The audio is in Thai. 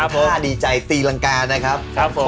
ข้อต้าดีใจตีลังกานะครับ